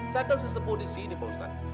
saya tuh sesepuh disini pak ustadz